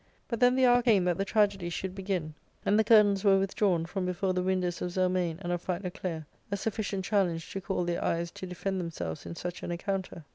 But then the hour came that the tragedy should begin, and the curtains were withdrawn from before the windows of Zelmane and of Philoclea, a sufficient challenge to call their eyes to defend themselves in such an encounter.